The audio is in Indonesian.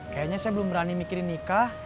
kayaknya saya belum berani mikirin nikah